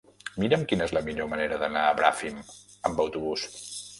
Mira'm quina és la millor manera d'anar a Bràfim amb autobús.